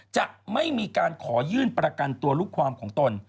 จะไม่มีการขอยื่นประกันตัวลูกความของตน